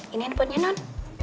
ini handphonenya non